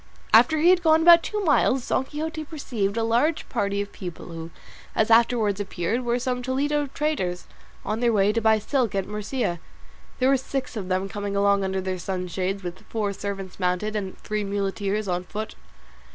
After he had gone about two miles Don Quixote perceived a large party of people, who, as afterwards appeared, were some Toledo traders, on their way to buy silk at Murcia. There were six of them coming along under their sunshades, with four servants mounted, and three muleteers on foot.